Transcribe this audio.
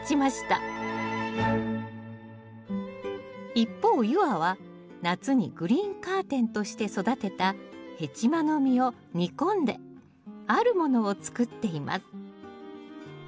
一方夕空は夏にグリーンカーテンとして育てたヘチマの実を煮込んであるものを作っています